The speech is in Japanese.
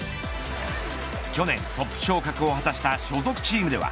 去年、トップ昇格を果たした所属チームでは